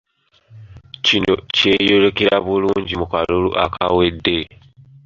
Kino kyeyolekera bulungi mu kalulu akawedde